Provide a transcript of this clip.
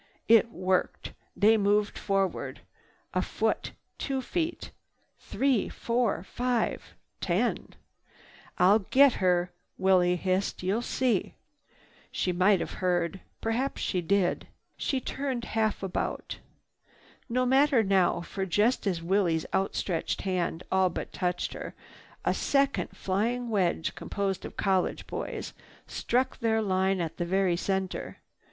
It worked. They moved forward. A foot, two feet, three, four, five, ten. "I'll get her!" Willie hissed. "You'll see!" She might have heard. Perhaps she did. She turned half about. No matter now, for, just as Willie's outstretched hand all but touched her, a second flying wedge composed of college boys struck their line at the very center.